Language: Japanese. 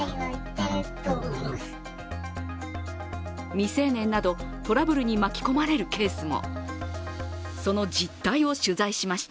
未成年などトラブルに巻き込まれるケースも。